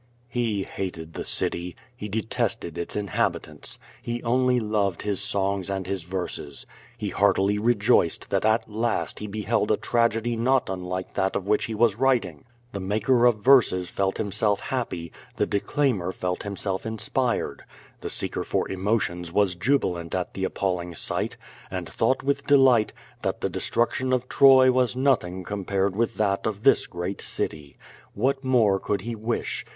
He hated the city. He detested its inhabitants. He only loved his songs and his verses. He heartily rejoiced that at last he beheld a tragedy not unlike that of which he was 3^2 Q^^ VADI8. writing. The maker of verses felt liimself happy; the de claimer felt himself inspired. The seeker for emotions was jubilant at the appalling sight, and thought with delight, that the destruction of Troy was nothing compared with that of this great city. What more could he wish?